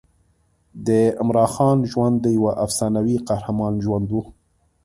د عمراخان ژوند د یوه افسانوي قهرمان ژوند و.